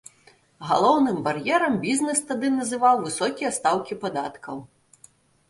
Галоўным бар'ерам бізнес тады называў высокія стаўкі падаткаў.